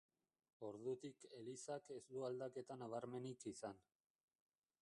Ordutik elizak ez du aldaketa nabarmenik izan.